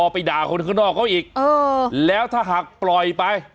ไปด่าคนข้างนอกเขาอีกแล้วถ้าหากปล่อยไป